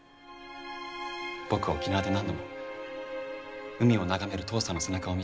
僕は沖縄で何度も海を眺める父さんの背中を見た。